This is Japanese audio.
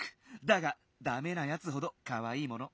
だがだめなやつほどかわいいもの。